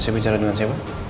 saya bicara dengan siapa